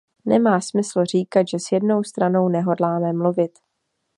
Nemá smysl říkat, že s jednou stranou nehodláme mluvit.